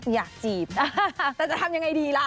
อยากจีบนะแต่จะทำยังไงดีล่ะ